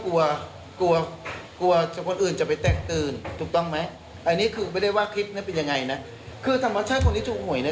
ว่าคลิปนั้นเป็นยังไงนะคือธรรมชาติคนที่ถูกโหยนะ